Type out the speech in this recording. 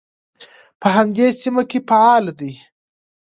په همدې سیمه کې فعال دی.